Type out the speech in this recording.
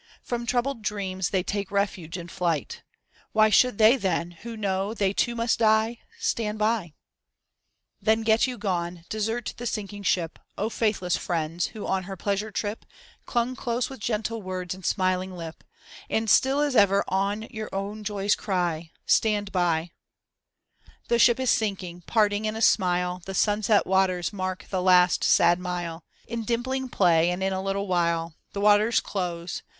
From troubled dresuns they take refuge in flight. Why should they then, who know they too must die, "Stand b/'? [C9] THE SAD YEARS THE SINKING SHIP iCowtinued) Then get you gone, desert the sinking ship, O faithless friends, who on her pleasure trip Clung close with gentle words and smiling lip, And still as ever on your own joys cry, "Stand by r The ship is sinking, parting in a smile. The sunset waters mark the last sad mile In dimpling play and in a little while The waters close.